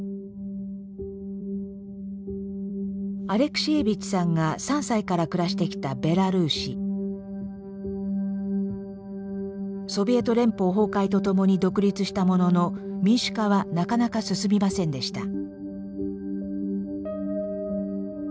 アレクシエービッチさんが３歳から暮らしてきたソビエト連邦崩壊とともに独立したものの民主化はなかなか進みませんでした。